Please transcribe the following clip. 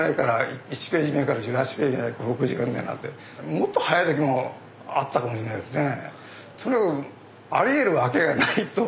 もっと速い時もあったかもしれないですね。